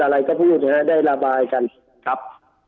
อะไรก็พูดนะฮะได้ระบายกันครับ